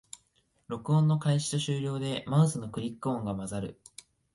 録音の開始と終了でマウスのクリック音が混ざる